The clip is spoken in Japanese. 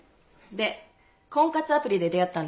で婚活アプリで出会ったんですよね？